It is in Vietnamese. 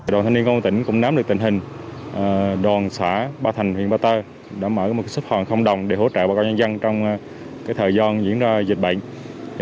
đoàn thanh niên công an tỉnh cũng nắm được tình hình đoàn xã ba thành huyện ba tơ đã mở một sức phòng không đồng để hỗ trợ bà con nhân dân trong thời gian diễn ra dịch bệnh